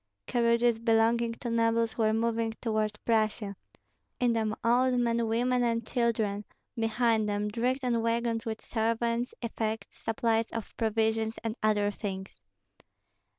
Carriages belonging to nobles were moving toward Prussia; in them old men, women, and children; behind them, dragged on wagons with servants, effects, supplies of provisions, and other things.